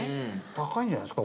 高いんじゃないですか？